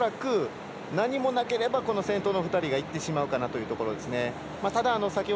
恐らく何もなければ先頭の２人がいってしまうかなというところですね。